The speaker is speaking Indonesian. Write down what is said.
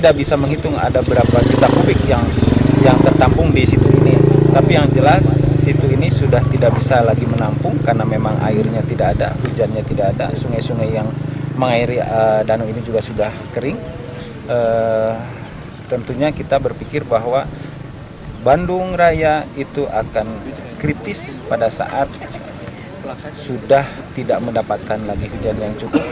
kritis pada saat sudah tidak mendapatkan lagi hujan yang cukup